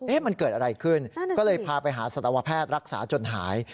มันเกิดอะไรขึ้นก็เลยพาไปหาสัตวแพทย์รักษาจนหาย